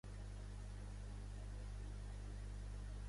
La seva mare, Lois Beatrice Fossler, era professora d'anglès de secundària.